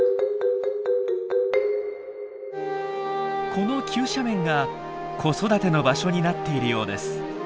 この急斜面が子育ての場所になっているようです。